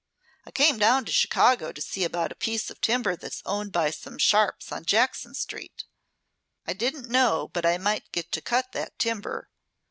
"I came down to Chicago to see about a piece of timber that's owned by some sharps on Jackson Street. I didn't know but I might get to cut that timber.